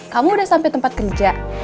kamu udah sampai tempat kerja